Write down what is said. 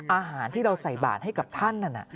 อาหารที่เราใส่บาทให้กับท่านนั่น